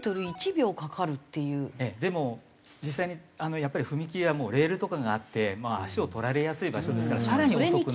でも実際にやっぱり踏切はもうレールとかがあって足を取られやすい場所ですから更に遅くなる。